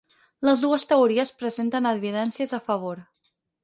Les dues teories presenten evidències a favor.